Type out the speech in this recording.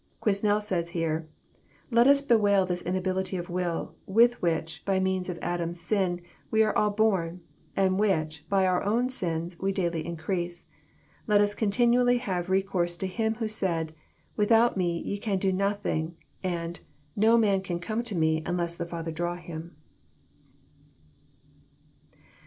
Quesnel says here :'' Let us bewail this inability of will with which, by means of Adam's sin, we are all born, and which, by our own sins, we daily increase. Let us continually have re course to Him who said, ' without Me ye can do nothing,' and, ' No man can come to Me, unless the Father draw him.